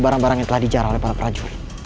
barang barang yang telah dijarah oleh para prajurit